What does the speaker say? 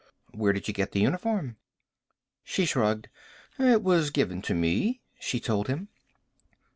"Where did you get the uniform?" She shrugged. "It was given to me," she told him.